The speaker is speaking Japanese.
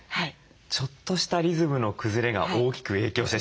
ちょっとしたリズムの崩れが大きく影響してしまう。